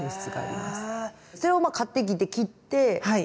それを買ってきて切ってで？